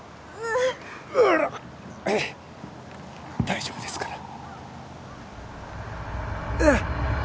大丈夫ですから。